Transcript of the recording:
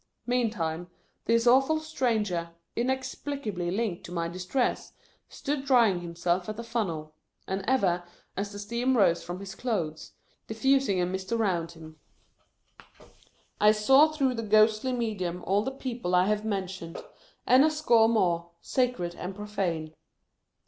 Meantime, this awful stranger, inex plicably linked to my distress, stood drying himself at the funnel ; and ever, as the steam rose from his clothes, diffusing a mist around him, I saw through the ghostly medium all the people I have mentioned, and a score more, sacred and profane.